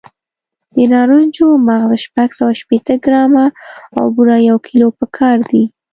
د نارنجو مغز شپږ سوه شپېته ګرامه او بوره یو کیلو پکار دي.